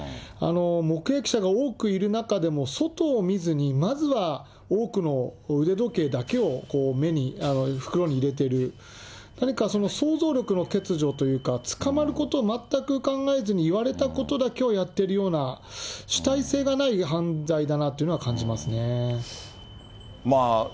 目撃者の多くいる中でも、外を見ずに、まずは多くの腕時計だけを袋に入れてる、何かその、想像力の欠如というか、捕まることを全く考えずに言われたことだけをやってるような、主体性がない犯罪だなというのは感じますね。